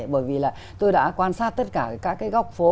bởi vì là tôi đã quan sát tất cả các cái góc phố